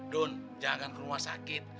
don jangan ke rumah sakit